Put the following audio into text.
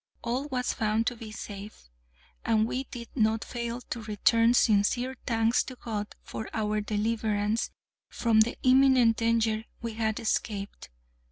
All was found to be safe, and we did not fail to return sincere thanks to God for our deliverance from the imminent danger we had escaped.